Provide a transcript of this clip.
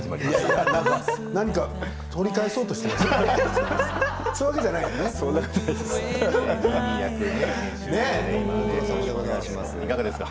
何か取り返そうとしていますか？